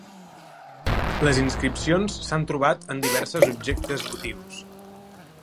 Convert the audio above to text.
Les inscripcions s'han trobat en diverses objectes votius.